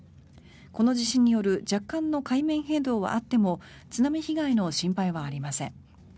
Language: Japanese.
この地震による若干の海面変動はあっても津波被害の心配はありません。